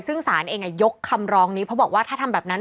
ซึ่งศาลเองยกคำร้องนี้เพราะบอกว่าถ้าทำแบบนั้น